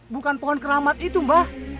bukan pohon keramat itu mbah